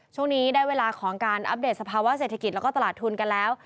ช่วงนี้ได้เวลาของการอัปเดตสภาวะเศรษฐกิจแล้วก็ตลาดทุนกันแล้ว